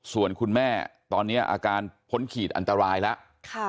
ส่วนคุณแม่ตอนนี้อาการพ้นขีดอันตรายแล้ว